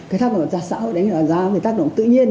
cái tác động xã hội đánh giá về tác động tự nhiên